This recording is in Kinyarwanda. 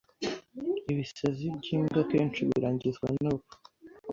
ibisazi by’imbwa akenshi birangizwa n’urupfu.